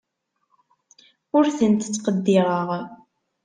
Ur tent-ttqeddireɣ.